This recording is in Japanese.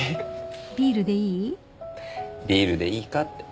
ビールでいいかって。